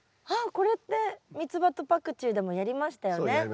ああこれってミツバとパクチーでもやりましたよね。